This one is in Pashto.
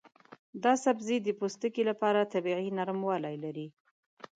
دا سبزی د پوستکي لپاره طبیعي نرموالی لري.